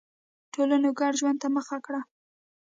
ټولنو ګډ ژوند ته مخه کړه.